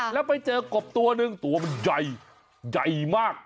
แล้วไปเจอกบตัวหนึ่งตัวมันใหญ่ใหญ่มาก